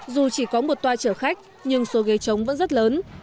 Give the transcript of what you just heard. dù chỉ có một toa chở khách nhưng số ghế trống vẫn rất lớn